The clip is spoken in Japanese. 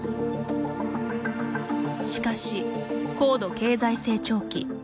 しかし、高度経済成長期。